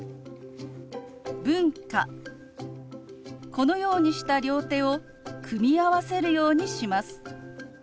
このようにした両手を組み合わせるようにします。